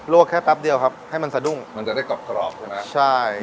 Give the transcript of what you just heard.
แค่แป๊บเดียวครับให้มันสะดุ้งมันจะได้กรอบกรอบใช่ไหมใช่